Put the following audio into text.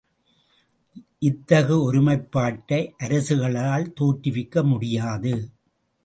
இத்தகு ஒருமைப்பாட்டை அரசுகளால் தோற்றுவிக்க முடியாது.